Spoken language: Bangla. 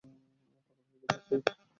পাগল হয়ে গেছিস তুই?